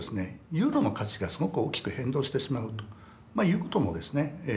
ユーロの価値がすごく大きく変動してしまうということもですね起こるので。